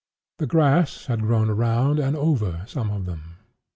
The grass had grown around and over some of them.